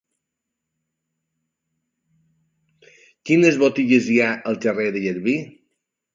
Quines botigues hi ha al carrer de Garbí?